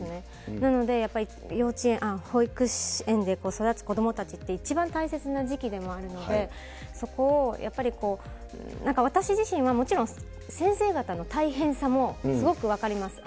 なので、やっぱり保育園で育つ子どもたちって、一番大切な時期でもあるので、そこをやっぱり、なんか私自身は、もちろん先生方の大変さもすごく分かります。